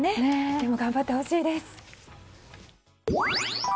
でも頑張ってほしいです。